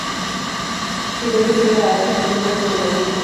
Cibeles ciega a Atis con un conjuro mágico.